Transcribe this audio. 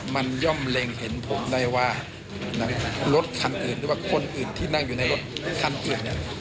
มันย่อมเล็งเห็นผมได้ว่ารถคันอื่นหรือว่าคนอื่นที่นั่งอยู่ในรถคันอื่นเนี่ย